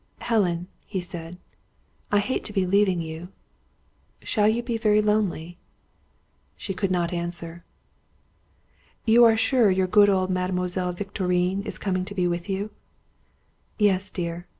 "Helen," he said, "I hate to be leaving you. Shall you be very lonely?" She could not answer. "You are sure your good old Mademoiselle Victorine is coming to be with you?" "Yes, dear.